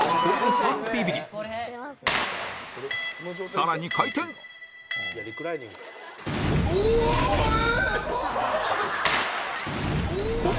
さらに回転うおーっ！